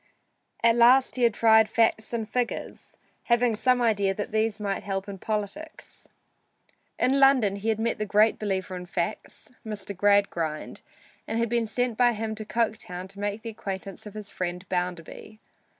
At last he had tried facts and figures, having some idea these might help in politics. In London he had met the great believer in facts, Mr. Gradgrind, and had been sent by him to Coketown to make the acquaintance of his friend Bounderby.